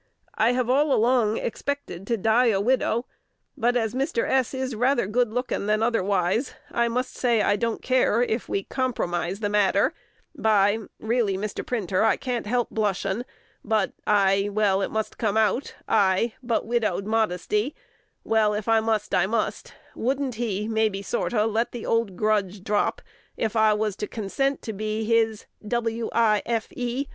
I have all along expected to die a widow; but, as Mr. S. is rather good looking than otherwise, I must say I don't care if we compromise the matter by really, Mr. Printer, I can't help blushin' but I it must come out I but widowed modesty well, if I must, I must wouldn't he maybe sorter, let the old grudge drap if I was to consent to be be h i s w i f e?